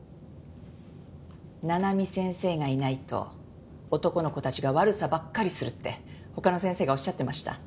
七海先生がいないと男の子たちが悪さばっかりするって他の先生がおっしゃってました。